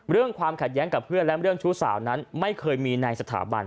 ความขัดแย้งกับเพื่อนและเรื่องชู้สาวนั้นไม่เคยมีในสถาบัน